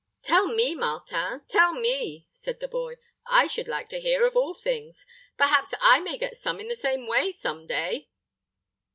"Tell me, Martin, tell me," said the boy; "I should like to hear, of all things. Perhaps I may get some in the same way, some day."